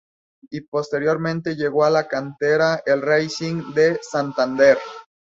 Y posteriormente llegó a la cantera del Racing de Santander.